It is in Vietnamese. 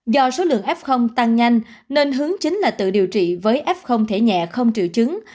do số lượng f tăng nhanh nên hướng chính là tự điều trị với f thể nhẹ không triệu chứng